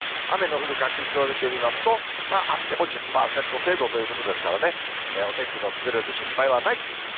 雨の降る確率を見てみますと、あっても１０％程度ということですからね、お天気の崩れる心配はない。